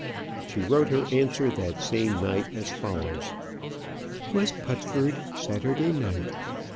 She wrote her answer that same night, as follows: West Putford, Saturday night.